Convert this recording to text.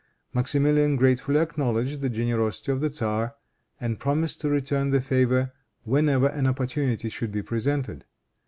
Maximilian gratefully acknowledged the generosity of the tzar, and promised to return the favor whenever an opportunity should be presented.